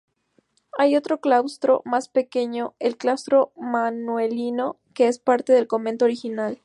Hay otro claustro más pequeño, el claustro manuelino, que es parte del convento original.